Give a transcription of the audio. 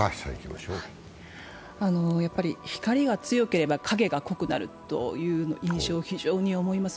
光が強ければ影が濃くなるという印象を非常に思います。